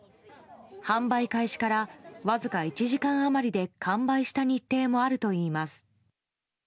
販売開始からわずか１時間余りで完売した日程もあるといいます。